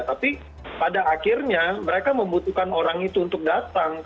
tapi pada akhirnya mereka membutuhkan orang itu untuk datang